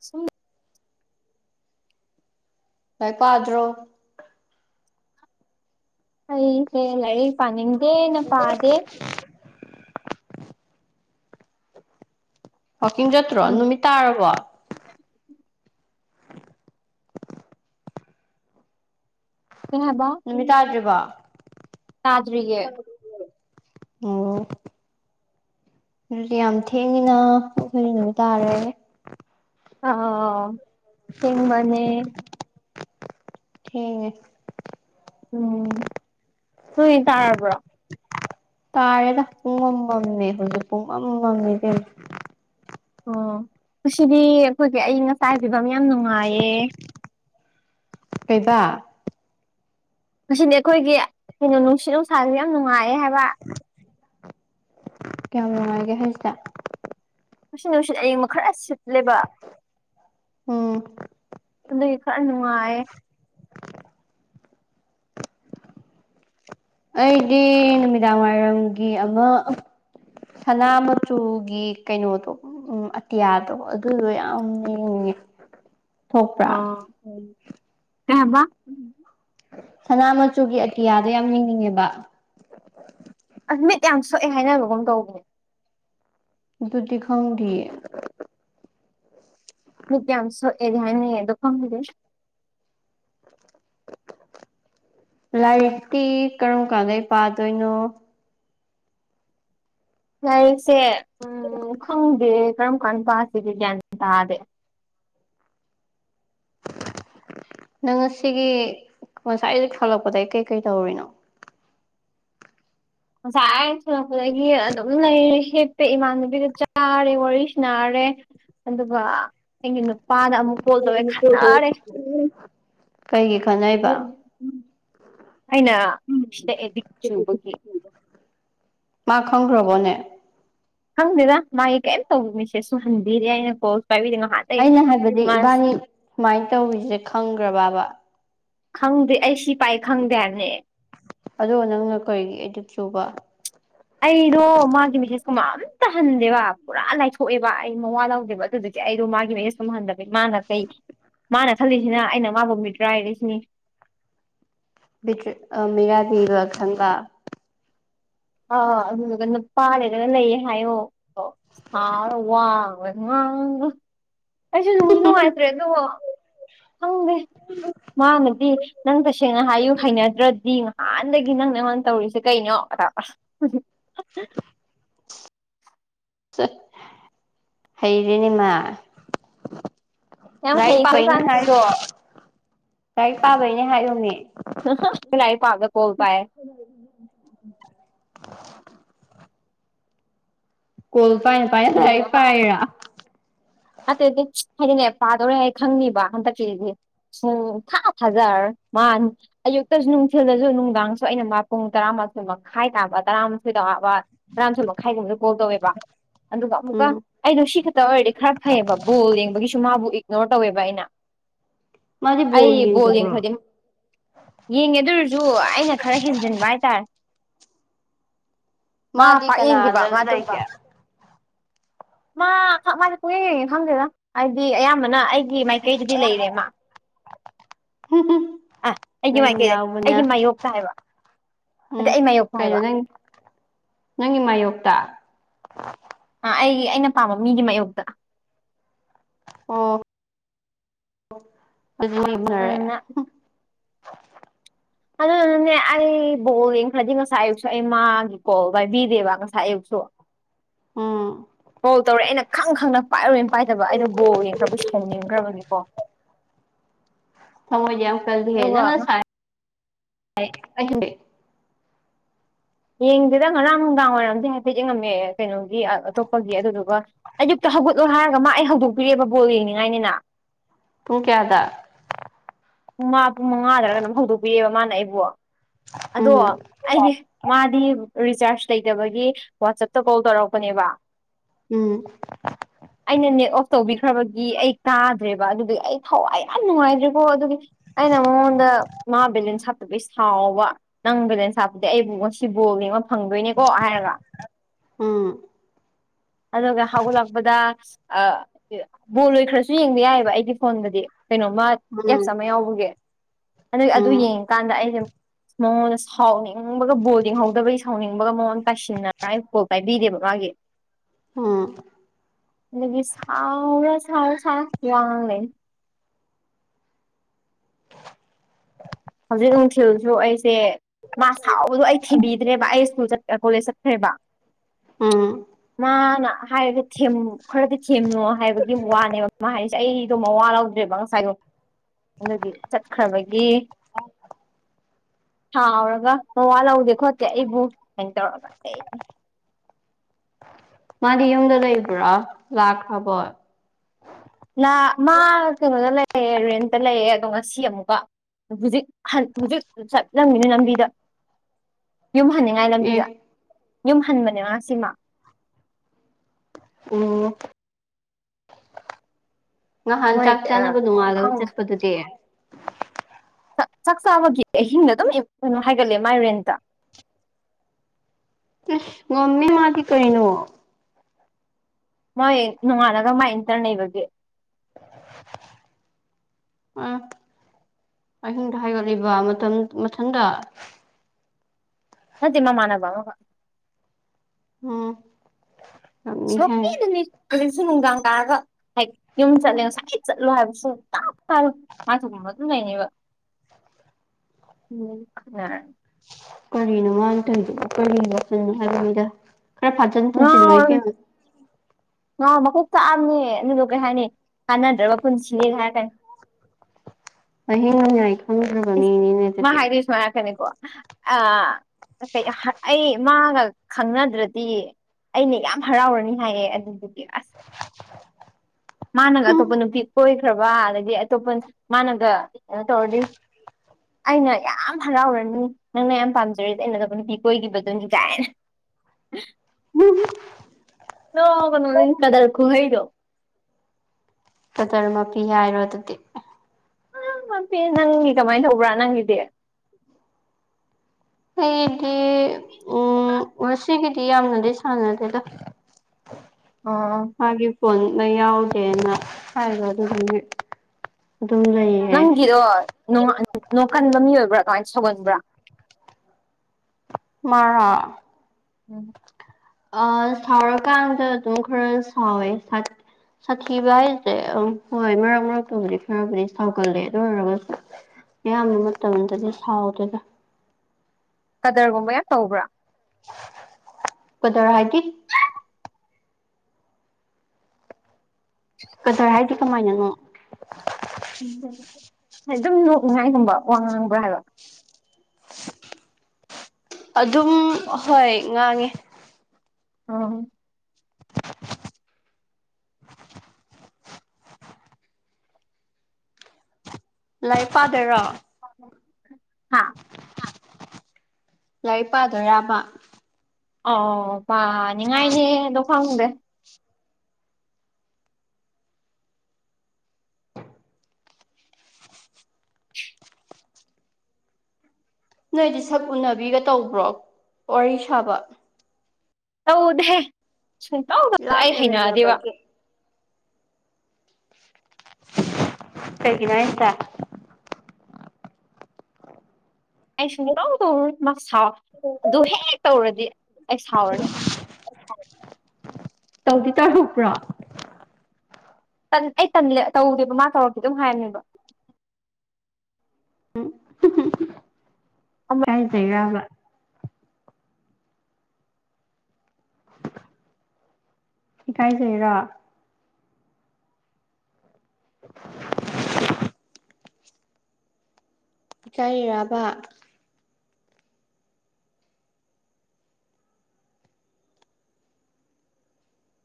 ꯁꯨꯝ ꯂꯥꯏꯔꯤꯛ ꯄꯥꯗ꯭ꯔꯣ ꯑꯩꯁꯦ ꯂꯥꯏꯔꯤꯛ ꯄꯥꯅꯤꯡꯗꯦꯅ ꯄꯥꯗꯦ ꯋꯥꯥꯛꯀꯤꯡ ꯆꯠꯇ꯭ꯔꯣ ꯅꯨꯃꯤꯠ ꯇꯥꯔꯕꯣ ꯀꯩ ꯍꯥꯏꯕ ꯅꯨꯃꯤꯠ ꯇꯥꯗ꯭ꯔꯤꯕꯣ ꯇꯥꯗ꯭ꯔꯤꯌꯦ ꯑꯣ ꯑꯗꯨꯗꯤ ꯌꯥꯝ ꯊꯦꯡꯉꯤꯅ ꯀꯣꯛꯇꯗꯤ ꯅꯨꯃꯤꯠ ꯇꯥꯔꯦ ꯑꯥ ꯊꯦꯡꯕꯅꯦ ꯊꯦꯡꯉꯦ ꯎꯝ ꯅꯣꯏꯗꯤ ꯇꯥꯔꯕ꯭ꯔꯣ ꯇꯥꯔꯦꯗ ꯄꯨꯡꯃꯝ ꯃꯝꯃꯦ ꯍꯧꯖꯤꯛ ꯄꯨꯡꯃꯝ ꯃꯝꯃꯦ ꯏꯕꯦꯝꯃ ꯑꯣ ꯉꯁꯤꯗꯤ ꯑꯩꯈꯣꯏꯒꯤ ꯑꯌꯤꯡ ꯑꯁꯥꯏ ꯐꯤꯕꯝ ꯌꯥꯝ ꯅꯨꯡꯉꯥꯏꯌꯦ ꯀꯩꯕꯥ ꯉꯁꯤꯗꯤ ꯑꯩꯈꯣꯏꯒꯤ ꯀꯩꯅꯣ ꯅꯨꯡꯁꯤꯠ ꯅꯨꯡꯁꯥꯁꯦ ꯌꯥꯝ ꯅꯨꯡꯉꯥꯏꯌꯦ ꯍꯥꯏꯕ ꯀꯌꯥꯝ ꯅꯨꯡꯉꯥꯏꯒꯦ ꯍꯥꯏꯁꯦ ꯉꯁꯤ ꯅꯨꯡꯁꯤꯠ ꯑꯌꯤꯡꯕ ꯈꯔ ꯁꯤꯠ ꯂꯦꯕ ꯎꯝ ꯑꯗꯨꯒꯤ ꯈꯔ ꯅꯨꯡꯉꯥꯏꯌꯦ ꯑꯩꯗꯤ ꯅꯨꯃꯤꯗꯥꯡꯋꯥꯏꯔꯝꯒꯤ ꯑꯃ ꯁꯅꯥ ꯃꯆꯨꯒꯤ ꯀꯩꯅꯣꯗꯣ ꯎꯝ ꯑꯇꯤꯌꯥꯗꯣ ꯑꯗꯨꯗꯣ ꯌꯥꯝ ꯌꯦꯡꯅꯤꯡꯉꯦ ꯊꯣꯛꯄ꯭ꯔꯥ ꯑꯣ ꯎꯝ ꯀꯩ ꯍꯥꯕ ꯁꯅꯥ ꯃꯆꯨꯒꯤ ꯑꯇꯤꯌꯥꯗꯣ ꯌꯥꯝ ꯌ‌ꯦꯡꯅꯤꯡꯉꯦꯕ ꯑꯁ ꯃꯤꯠ ꯌꯥꯝ ꯁꯣꯛꯑꯦ ꯍꯥꯏꯅꯕꯒꯨꯝ ꯇꯧꯕꯅꯦ ꯑꯗꯨꯗꯤ ꯈꯪꯗꯤꯌꯦ ꯃꯤꯠ ꯌꯥꯝ ꯁ‌ꯣꯛꯑ‌ꯦꯗꯤ ꯍꯥꯏꯅꯩ ꯑꯗ‌ꯣ ꯈ‌ꯪꯗ‌‌ꯦ ꯂꯥꯏꯔꯤꯛꯇꯤ ꯀꯔꯝ ꯀꯥꯟꯗꯩ ꯄꯥꯗꯣꯏꯅꯣ ꯂꯥꯏꯔꯤꯛꯁꯦ ꯎꯝ ꯈꯪꯗꯦ ꯀꯔꯝ ꯀꯥꯟ ꯄꯥꯁꯤꯒꯦ ꯒ꯭ꯌꯥꯟ ꯇꯥꯗꯦ ꯅꯪ ꯉꯁꯤꯒꯤ ꯉꯁꯥꯏ ꯗꯩ ꯐ‌ꯣꯂꯛ ꯄꯗꯒꯤ ꯀꯩꯀꯩ ꯇꯧꯔꯤꯅꯣ ꯉꯁꯥꯏ ꯑꯩꯅ ꯁꯂꯛꯄꯗꯒꯤ ꯑꯗꯨꯝ ꯂꯩꯔꯦ ꯍꯤꯞꯄꯤ ꯏꯃꯥꯟꯅꯕꯤꯒ ꯆꯥꯔꯦ ꯋꯥꯔꯤ ꯁꯅꯔꯦ ꯑꯗꯨꯒ ꯑꯩꯒꯤ ꯅꯨꯄꯥꯗ ꯑꯃꯨꯛ ꯀꯣꯜ ꯇꯧꯋꯦ ꯈꯟꯅꯔꯦ ꯀꯩꯒꯤ ꯈꯟꯅꯩ ꯑꯗꯨꯝ ꯑꯩꯅ ꯁꯤꯗ ꯑꯦꯗꯤꯛ ꯆꯨꯕꯒꯤ ꯃꯥ ꯈꯪꯈ꯭ꯔꯕꯣꯅꯦ ꯈꯪꯗꯦꯗ ꯃꯥꯒꯤ ꯀꯩꯝ ꯇꯧꯕ ꯃꯤꯁꯦ ꯁꯨꯍꯟꯕꯤꯗ‌ꯦ ꯑꯩꯅ ꯀꯣꯜ ꯁꯨ ꯄꯥꯏꯕꯤꯗ‌ꯦ ꯉꯍꯥꯟ ꯑꯩꯅ ꯍꯥꯏꯕꯗꯤ ꯏꯕꯥꯅꯤ ꯁꯨꯃꯥꯏꯅ ꯇꯧꯔꯤꯖ‌ꯦ ꯈꯪꯒ‍꯭ꯔꯕꯕ ꯈꯪꯗꯦ ꯑꯩ ꯁꯤ ꯄꯥꯏ ꯈꯪꯗꯦ ꯍꯥꯏꯕꯅꯦ ꯑꯗꯣ ꯅꯪꯅ ꯀꯔꯤꯒꯤ ꯑ‌ꯦꯗꯤꯛ ꯆꯨꯕ ꯑꯩꯗꯣ ꯃꯥꯒꯤ ꯃꯦꯁꯦꯁꯀꯨꯝꯕ ꯑꯝꯇ ꯍꯟꯗꯦꯕ ꯄꯨꯔꯥ ꯂꯥꯏꯊꯣꯛꯑꯦꯕ ꯑꯩ ꯃꯋꯥ ꯂꯧꯗꯦꯕ ꯑꯗꯨ ꯑꯩꯗꯣ ꯃꯥꯒꯤ ꯃ‌ꯦꯁ‌ꯦꯁ ꯀꯨꯝꯕꯍꯟꯗꯕꯒꯤ ꯃꯥꯅ ꯀꯩ ꯃꯥꯅ ꯈꯜꯂꯤꯁꯤꯅ ꯑꯩꯅ ꯃꯥꯕꯨ ꯃꯤꯇ꯭ꯔꯥꯏꯔ‌ꯦꯁꯤꯅꯤ ꯕꯤꯇꯔꯤ ꯑ ꯃꯤꯔꯥꯕꯤ ꯂ ꯈꯟꯕ ꯑ ꯑꯗꯨꯗꯨꯒ ꯅꯨꯄꯥ ꯂꯩꯔꯒ ꯂꯩꯌꯦ ꯍꯥꯏꯌꯣ [unintelligible] ꯑꯩꯁꯨ ꯅꯨꯡꯖꯨꯅꯨꯡꯉꯥꯏꯇ꯭ꯔꯦ ꯑꯗ‌ꯣ ꯈꯪꯗꯦ ꯃꯥꯅꯗꯤ ꯅꯪ ꯇꯁꯦꯡꯅ ꯍꯥꯏꯌꯨ ꯍꯩꯅꯗ꯭ꯔꯗꯤ ꯉꯥꯍꯥꯟ ꯗꯒꯤ ꯅꯪ ꯅ ꯑꯩꯉꯣꯟ ꯇꯧꯔꯤꯁꯦ ꯀꯩꯅꯣ ꯑꯇꯧꯔꯒ [inaudible] ꯆꯠ ꯍꯩꯔ‌ꯦꯅ‌ꯦ ꯃꯥ ꯌꯥꯝ ꯂꯥꯏꯔꯤꯛ ꯄꯥꯕꯩꯅꯦ ꯍꯩꯈ꯭ꯔꯖꯥꯠꯅꯤ ꯍꯥꯏꯔꯣ ꯂꯥꯏꯔꯤꯛ ꯄꯥꯕꯩꯅꯦ ꯍꯥꯏꯌ‌ꯣꯃꯤ ꯑꯥꯍ ꯂꯥꯏꯔꯤꯛ ꯄꯥꯕꯗ ꯀꯣꯜ ꯄꯥꯏ ꯀꯣꯜ ꯄꯥꯏꯅ ꯄꯥꯏꯅ ꯑꯗꯨꯒꯤ ꯂꯥꯏꯔꯤꯛ ꯃꯃꯥ ꯄꯥꯏꯔ‌ꯣ ꯅꯠꯇꯦ ꯅꯠꯇꯦ ꯍꯥꯏꯗꯤꯅꯦ ꯄꯥꯗꯧꯔꯦ ꯍꯥꯏ ꯈꯪꯅꯤꯕ ꯍꯟꯗꯛꯀꯤꯁꯤꯗꯤ ꯁꯨꯡ ꯊꯥ ꯊꯥꯖ ꯔꯔ‌ꯣꯏ ꯃꯥꯟ ꯑꯌꯨꯛꯇꯁꯨ ꯅꯨꯡꯊꯤꯜꯗꯁꯨ ꯅꯨꯡꯗꯥꯡꯁꯨ ꯑꯩꯅ ꯃꯥ ꯄꯨꯡ ꯇꯔꯥꯃꯥꯊ‌ꯣꯏ ꯃꯈꯥꯏ ꯇꯥꯕ ꯇꯔꯥ ꯊꯣꯏꯗꯕ ꯇꯔꯥꯃꯊ‌ꯣ ꯃꯈꯥꯏꯒꯨꯝꯕꯅ ꯀꯣꯜ ꯇꯧꯋꯦꯕ ꯑꯗꯨꯒ ꯑꯃꯨꯛꯀ ꯎꯝ ꯑꯩꯗꯣ ꯁꯤ ꯈꯛꯇ ꯑꯣꯏꯔꯗꯤ ꯈꯔ ꯐꯩꯌꯦꯕ ꯕꯣꯜ ꯌꯦꯡꯕꯒꯤꯁꯨ ꯃꯥꯕꯨ ꯏꯒꯅꯣꯔ ꯇꯧꯋꯦꯕ ꯑꯩꯅ ꯃꯥꯗꯤ ꯑꯩ ꯕꯣꯜ ꯌꯦꯡꯗꯕ꯭ꯔꯣ ꯌ‌ꯦꯡꯈꯔꯗꯤ ꯌꯦꯡꯉꯦ ꯑꯗꯨ ꯑꯣꯏꯔꯖꯨ ꯑꯩꯅ ꯈꯔ ꯍꯦꯟꯖꯟꯕ ꯍꯥꯏꯇꯥꯔꯦ ꯃꯥ ꯃꯥꯗꯤ ꯄꯥꯛ ꯌꯦꯡꯗꯤꯕ ꯀꯅꯥꯗ ꯃꯥ ꯑꯗꯨ ꯂꯩꯒꯦ ꯍꯣꯏ ꯈꯪꯗꯦꯗ ꯍꯥꯏꯗꯤ ꯑꯌꯥꯝꯕꯅ ꯑꯩꯒꯤ ꯃꯥꯏꯀꯩꯗꯗꯤ ꯂꯩꯔꯦ ꯃꯥ ꯑ ꯑꯩꯒꯤ ꯅꯪ ꯃꯥꯏꯀꯩꯗ ꯑꯩꯒꯤ ꯌꯥꯎꯕꯅꯦ ꯃꯥꯌꯣꯛꯇ ꯍꯥꯏꯕ ꯑꯗ ꯎꯝ ꯑꯩ ꯃꯥꯌꯣꯛꯇ ꯀꯩꯅꯣ ꯍꯥꯏꯕ ꯅꯪ ꯅꯪꯒꯤ ꯃꯥꯌꯣꯛꯇ ꯑ ꯑꯩꯒꯤ ꯑꯩꯅ ꯄꯥꯝꯕ ꯃꯤꯒꯤ ꯃꯥꯥꯏꯌꯣꯛꯇ ꯑꯣ ꯍꯧꯖꯤꯛ ꯌꯦꯡꯅꯔꯦ ꯅ ꯑꯗꯨꯅꯅꯦ ꯑꯩ ꯕꯣꯜ ꯌꯦꯡꯈ꯭ꯔꯗꯤ ꯉꯁꯥꯏ ꯑꯌꯨꯛꯁꯨ ꯑꯩ ꯃꯥꯒꯤ ꯀꯣꯜ ꯄꯥꯏꯕꯤꯗꯦꯕ ꯉꯁꯥꯏ ꯑꯌꯨꯛꯁꯨ [inaudible] ꯎꯝ ꯀ‌ꯣꯜ ꯇꯧꯔꯦ ꯑꯩꯅ ꯈꯪ ꯈꯪꯅ ꯄꯥꯏꯔꯣꯏꯅ ꯄꯥꯏꯗꯕ ꯑꯩꯗꯣ ꯕꯣꯜ ꯌꯦꯡꯈ꯭ꯔꯕꯩ ꯁꯥꯎꯅꯤꯡ ꯒ꯭ꯔꯕꯅꯤꯀꯣ [inaudible] ꯊꯃꯣꯏꯗꯤ ꯌꯥꯝ ꯀꯜꯗꯤꯍ ꯑꯗꯨꯒ ꯅꯪ ꯉꯁꯥꯏ [unintelligible] ꯌꯦꯡꯗꯦꯗ ꯉꯔꯥꯡ ꯅꯨꯡꯗꯥꯡ ꯋꯥꯏꯔꯝꯗꯤ ꯍꯥꯏꯐꯦꯠ ꯌꯦꯡꯉꯝꯃꯦ ꯀꯩꯅꯣꯒꯤ ꯑꯇꯣꯞꯄꯒꯤ ꯑꯗꯨꯗꯨꯒ ꯑꯌꯨꯛꯇ ꯍꯧꯒꯠꯂꯣ ꯍꯥꯏꯔꯒ ꯃꯥ ꯑꯩ ꯍꯧꯗꯣꯛꯄꯤꯔꯦꯕ ꯕꯣꯜ ꯌꯦꯡꯅꯤꯡꯉꯥꯏꯅꯤꯅ ꯄꯨꯡ ꯀꯌꯥꯗ ꯄꯨꯡ ꯃꯥ ꯄꯨꯡ ꯃꯉꯥꯗꯔꯒ ꯀꯩꯅꯣꯝ ꯍꯧꯗꯣꯛꯄꯤꯔꯛꯑꯦꯕ ꯃꯥꯅ ꯑꯩꯕꯨ ꯑꯗꯣ ꯎꯝ ꯑꯩꯗꯤ ꯃꯥꯗꯤ ꯔꯤꯆꯥꯔꯖ ꯂꯩꯇꯕꯒꯤ ꯋꯥꯆꯞꯇ ꯀꯣꯜ ꯇꯧꯔꯛꯄꯅꯦꯕ ꯎꯝ [inaudible] ꯑꯩꯅ ꯅꯦꯠ ꯑꯣꯐ ꯇꯧꯕꯤꯈ꯭ꯔꯕꯒꯤ ꯑꯩ ꯇꯥꯗ꯭ꯔꯦꯕ ꯑꯗꯨꯒꯤ ꯑꯩ ꯊꯋꯥꯏ ꯌꯥꯝ ꯅꯨꯡꯉꯥꯏꯇ꯭ꯔꯦꯀꯣ ꯑꯗꯨꯒꯤ ꯑꯩꯅ ꯃꯉꯣꯟꯗ ꯃꯥ ꯕꯦꯂꯦꯟꯁ ꯍꯥꯞ ꯇꯕꯩ ꯁꯥꯎꯕ ꯅꯪ ꯕꯦꯂꯦꯟꯁ ꯍꯥꯞꯄꯗꯤ ꯑꯩꯕꯨ ꯉꯁꯤ ꯕꯣꯜ ꯌꯦꯡꯉ ꯐꯪꯗꯣꯏꯅꯦꯀꯣ ꯍꯥꯏꯔꯒ ꯎꯝ ꯑꯗꯨꯒ ꯍꯧꯒꯠꯂꯛꯄꯗ ꯑ ꯀꯩꯕ ꯕꯣꯜ ꯂꫭꯏꯈꯔꯁꯨ ꯌꯦꯡꯕ ꯌꯥꯏꯑꯕ ꯑꯩꯒꯤ ꯐꯣꯟꯗꯗꯤ ꯀꯩꯅꯣꯃ ꯆꯥꯝꯃ ꯌꯥꯎꯕꯒꯤ ꯑꯗꯨꯏ ꯎꯝ ꯑꯗꯨ ꯎꯝ ꯌꯦꯡꯉꯤꯀꯥꯟꯗ ꯑꯩꯖꯦ ꯃꯉꯣꯟꯗ ꯁꯥꯎꯅꯤꯡꯕꯒ ꯕꯣꯜ ꯌꯦꯡꯍꯧꯗꯕꯩ ꯁꯥꯎꯅꯤꯡꯕꯒ ꯃꯉꯣꯟꯗ ꯇꯥꯏꯁꯤꯟꯅꯉꯥꯏ ꯀꯣꯜ ꯄꯥꯏꯕꯤꯗꯦꯕ ꯃꯥꯒꯤ [inaudible] ꯎꯝ ꯑꯗꯨꯗꯒꯤ ꯁꯥꯥꯎꯔ ꯁꯥꯎꯔ ꯁꯥꯎꯔ ꯃꯤꯋꯥ ꯉꯥꯡꯂꯩꯔꯅꯤ ꯍꯧꯖꯤꯛ ꯅꯨꯡꯊꯤꯜꯁꯨ ꯑꯩꯁꯦ ꯃꯥ ꯁꯥꯎꯕꯗꯣ ꯑꯩ ꯊꯤꯕꯤꯗ꯭ꯔꯦꯕ ꯑꯩ ꯁ꯭ꯀꯨꯜ ꯆꯠ ꯑ ꯀꯣꯂꯦꯖ ꯆꯠꯈ꯭ꯔꯦꯕ ꯎꯝ ꯃꯥꯅ ꯍꯥꯏꯔ ꯊꯦꯝ ꯈꯔꯗꯤ ꯊꯦꯝꯅꯣ ꯍꯥꯏꯕꯒꯤ ꯋꯥꯅꯦꯕ ꯃꯥ ꯍꯥꯏꯁꯦ ꯑꯩꯗꯣ ꯃꯋꯥ ꯂꯧꯗ꯭ꯔꯦꯕ ꯉꯁꯥꯏꯗꯣ ꯑꯗꯨꯒꯤ ꯆꯠꯈ꯭ꯔꯕꯒꯤ ꯁꯥꯎꯔꯒ ꯃꯋꯥ ꯂꯧꯗꯦ ꯈꯣꯠꯇꯦ ꯑꯩꯕꯨ ꯁꯥꯏꯟ ꯇꯧꯔꯒ ꯂꯩ ꯃꯥꯗꯤ ꯌꯨꯝꯗ ꯂꯩꯕ꯭ꯔꯥ ꯂꯥꯛꯈ꯭ꯔꯕꯣꯏ ꯅꯥ ꯃꯥ ꯀꯩꯅꯣꯗ ꯂꯩꯔꯦ ꯔꯦꯟꯇ ꯂꯩꯌꯦ ꯑꯗꯣ ꯉꯁꯤ ꯑꯃꯨꯛꯀ ꯍꯨꯖꯤꯛ ꯍꯟ ꯍꯨꯖꯤꯛ ꯆꯠꯂꯝꯒꯤꯅꯤ ꯂꯝꯕꯤꯗ ꯌꯨꯝ ꯍꯟꯅꯤꯡꯉꯥꯏ ꯂꯝꯕꯤꯗ ꯑꯦ ꯌꯨꯝ ꯍꯟꯕꯅꯦ ꯃꯥ ꯉꯁꯤ ꯃꯥ ꯑꯣ ꯉꯍꯥꯟ ꯃꯣꯏ ꯆꯥꯛ ꯆꯥꯅꯕ ꯅꯣꯡꯉꯥꯜꯂꯒ ꯈꯪꯗꯦ ꯆꯠꯄꯗ ꯇꯦ ꯆꯥꯛ ꯆꯥꯕꯒꯤ ꯑꯍꯤꯡꯗ ꯑꯗꯨꯝ ꯀꯩꯅꯣ ꯍꯥꯏꯒꯠꯂꯦ ꯃꯥꯏ ꯔꯦꯟꯇ ꯇꯦ ꯉꯝꯃꯤ ꯃꯥꯗꯤ ꯀꯔꯤꯅꯣ ꯃꯥꯏ ꯅꯣꯡꯉꯥꯂꯒ ꯃꯥꯏ ꯏꯟꯇꯔꯟ ꯂꯩꯕꯒꯤ [unintelligible] ꯎꯝ ꯑꯍꯤꯡꯗ ꯍꯥꯏꯒꯠꯂꯤꯕ ꯃꯇꯝ ꯃꯊꯟꯗ ꯅꯇꯦ ꯃꯃꯥꯟꯅꯕ ꯑꯃꯒ ꯎꯝ ꯁꫭꯛꯀꯦ ꯉꯝꯃꯤꯍꯦ ꯗꯅꯤ ꯍꯧꯖꯤꯛꯁꯨ ꯅꯨꯡꯗꯥꯡ ꯇꯥꯔꯒ ꯍꯥꯏ ꯌꯨꯝ ꯆꯠꯂꯦ ꯉꯁꯥꯏꯗꯩ ꯆꯠꯂꯣ ꯍꯥꯏꯕ ꯁꯨꯡꯇꯥ ꯇꯥꯔꯣꯏ ꯃꯥꯏ ꯊꯣꯛꯄ ꯑꯃ ꯑꯗꯨꯝ ꯂꯩꯅꯦꯕ [unintelligible] ꯈꯠꯅꯔ ꯀꯔꯤꯅꯣ ꯃꯥꯅ ꯇꯣꯏꯗꯨꯕꯣ ꯀꯔꯤ ꯋꯥꯈꯜꯅꯣ ꯍꯥꯏꯕꯅꯤꯗ ꯈꯔ ꯐꯥꯖꯟ ꯄꯨꯟꯖꯤꯟꯂꯣ ꯏꯕꯤꯝꯃꯥ ꯉꯥ ꯃꯀꯣꯛ ꯆꯥꯑꯝꯅꯦ ꯑꯗꯨꯗꯣ ꯀꯩ ꯍꯥꯏꯅꯤ ꯀꯥꯟꯅꯗ꯭ꯔꯕ ꯄꯨꯟꯁꯤꯅꯦꯒ ꯍꯥꯏꯔꯛꯀꯅꯤ ꯑꯍꯤꯡ ꯅꯣꯡꯌꯥꯏ ꯏꯁ ꯃꯥ ꯍꯥꯏꯔꯤ ꯁꯨꯃꯥꯏ ꯍꯥꯏꯔꯛꯀꯅꯤꯀꯣ ꯑꯥ ꯀ ꯀꯩ ꯑꯥ ꯍꯥꯔꯠ ꯑꯩ ꯃꯥꯒ ꯈꯪꯅꯗ꯭ꯔꯗꯤ ꯑꯩꯅ ꯌꯥꯝ ꯍꯔꯥꯎꯔꯅꯤ ꯍꯥꯏꯌꯦ ꯑꯗꯨꯗꯨꯒꯤ ꯑꯁ ꯃꯥꯅꯒ ꯑꯇꯣꯞꯄ ꯅꯨꯄꯤ ꯀꯣꯏꯈ꯭ꯔꯕ ꯑꯗꯒꯤ ꯑꯇꯣꯞꯄ ꯃꯥꯅꯒ ꯀꯩꯅꯣ ꯇꯧꯔꯗꯤ ꯑꯩꯅ ꯌꯥꯝ ꯍꯔꯥꯎꯔꯅꯤ ꯅꯪꯅ ꯌꯥꯝ ꯄꯥꯝꯖꯔꯤꯗꯤ ꯑꯩꯅ ꯑꯇꯣꯞꯄ ꯅꯨꯄꯤ ꯀꯣꯏꯒꯤꯕꯗꯨꯅꯤ ꯀꯥꯏꯅ [unintelligible] [unintelligible] ꯅꯥꯎꯒꯅꯨꯍꯦ ꯀꯗꯔ ꯈꯨꯍꯩꯗꯣ ꯀꯗꯔ ꯃꯞꯄꯤ ꯍꯥꯏꯔꯣ ꯑꯗꯨꯗꯤ ꯑ ꯃꯄꯤꯅꯤ ꯅꯪꯒꯤ ꯀꯃꯥꯏꯅ ꯇꯧꯕ꯭ꯔꯥ ꯅꯪꯒꯤꯗꯤ ꯑꯩꯗꯤ ꯎꯝ ꯉꯁꯤꯒꯤꯗꯤ ꯌꯥꯝꯅꯗꯤ ꯁꯥꯟꯅꯗꯦꯗ ꯑꯣ ꯃꯥꯒꯤ ꯐꯣꯟꯅ ꯌꯥꯎꯒꯦꯅ ꯍꯥꯏꯕ ꯑꯗꯨꯗꯨꯅꯤ ꯑꯗꯨꯝ ꯂꯩꯏꯌꯦ ꯍꯔꯣꯣꯏ ꯅꯣꯡ ꯀꯟꯕ ꯃꯤ ꯑꯣꯏꯕ꯭ꯔꯥ ꯀꯃꯥꯏꯅ ꯁꯧꯒꯟꯕ꯭ꯔꯥ ꯃꯥꯉ ꯎꯝ ꯑ ꯁꯥꯎꯔꯀꯥꯟꯗ ꯑꯗꯨꯝ ꯈꯔ ꯁꯥꯎꯋꯦ ꯁꯥꯊꯤꯕ ꯍꯥꯏꯁꯦ ꯑ ꯍꯣꯏ ꯃꯔꯛ ꯃꯔꯛꯇꯕꯨꯗꯤ ꯈꯔꯕꯨꯗꯤ ꯁꯥꯎꯒꯠꯂꯦ ꯑꯗꯨ ꯑꯣꯏꯔꯒꯁꯨ ꯑꯌꯥꯝꯕ ꯃꯇꯝꯗꯗꯤ ꯁꯥꯎꯗꯒ ꯀꯗꯔꯒꯨꯝꯕ ꯌꯥꯝ ꯇꯧꯕ꯭ꯔꯥ ꯀꯗꯔ ꯍꯥꯏꯗꯤ ꯀꯗꯔ ꯍꯥꯏꯗꯤ ꯀꯃꯥꯏꯅꯅꯣ ꯎꯝ ꯑꯗꯨꯝ ꯅꯣꯛꯅꯤꯡꯉꯥꯏꯒꯨꯝꯕ ꯋꯥ ꯉꯥꯡꯕ꯭ꯔꯥ ꯍꯥꯏꯕ ꯑꯗꯨꯝ ꯍꯣꯏ ꯉꯥꯡꯉꯦ ꯑꯣ ꯂꯥꯏꯔꯤꯛ ꯄꯗꯣꯏꯔꯣ ꯍꯥꯥ ꯌꯥꯏꯔꯤꯛ ꯄꯥꯗꯣꯏꯔꯥꯕ ꯑ ꯄꯥꯅꯤꯡꯉꯥꯏꯅꯦꯗꯣ ꯈꯪꯗꯦ ꯅꯣꯏꯗꯤ ꯁꯛ ꯎꯅꯕꯤꯒ ꯇꯧꯕ꯭ꯔꯣ ꯋꯥꯔꯤ ꯁꯥꯕ ꯇꯧꯗꯦ ꯁꯨꯡꯇꯧꯗ ꯑꯩ ꯂꯥꯞꯅ ꯍꯩꯅꯑꯗꯦꯕ ꯂꯩꯅꯕꯒꯤ ꯇꯒꯤꯅ ꯏꯇ ꯑꯩ ꯁꯨꯡꯇꯧ ꯇꯧꯔꯨꯅꯤ ꯃꯥ ꯁꯥꯎ ꯑꯗꯨ ꯍꯦꯛꯦꯛ ꯇꯧꯔꯗꯤ ꯑꯩ ꯁꯥꯎꯔꯅꯤ ꯇꯧꯗꯤ ꯇꯥꯔꯨꯄ꯭ꯔꯣ ꯑꯩ ꯇꯧꯗꯦꯕ ꯃꯥ ꯇꯧꯔꯛꯀꯦ ꯑꯗꯨꯝ ꯍꯥꯏꯔꯅꯦꯕ ꯎ ꯑꯃꯨꯛ ꯀꯥꯏꯖꯩꯒꯕ ꯏꯀꯥꯏꯖꯩꯔꯥ [inaudible] ꯀꯥꯏꯔꯕ